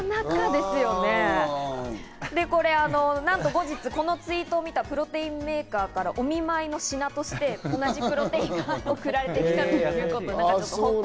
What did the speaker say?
で、これなんと後日、このツイートを見たプロテインメーカーからお見舞いの品として同じプロテインが贈られてきたということです。